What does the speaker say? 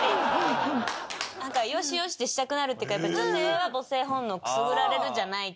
なんかよしよしってしたくなるっていうかやっぱ女性は母性本能をくすぐられるじゃないけど。